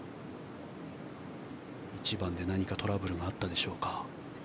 １番で何かトラブルがあったでしょうか。